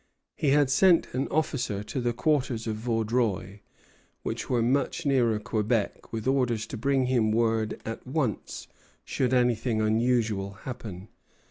He had sent an officer to the quarters of Vaudreuil, which were much nearer Quebec, with orders to bring him word at once should anything unusual happen.